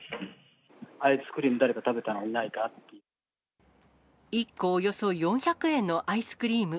アイスクリーム、１個およそ４００円のアイスクリーム。